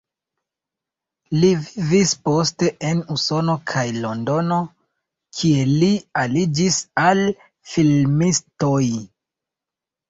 Li vivis poste en Usono kaj Londono, kie li aliĝis al filmistoj.